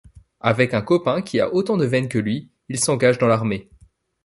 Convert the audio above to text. Avec un copain qui a autant de veine que lui, ils s'engagent dans l'armée.